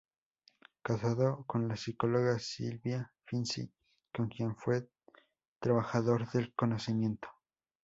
Casado con la psicóloga Silvia Finzi, con quien fue trabajador del conocimiento.